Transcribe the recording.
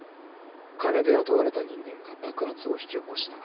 「金で雇われた人間が爆発を引き起こした」。